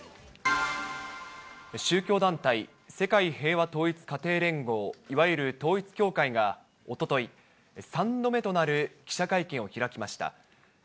宗教団体、世界平和統一家庭連合、いわゆる統一教会がおととい、３度目となる記者会見を開きました。